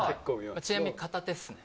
ちなみに片手っすね